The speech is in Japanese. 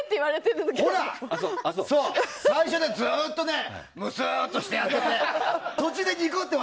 最初、ずっとむすっとしてやってて。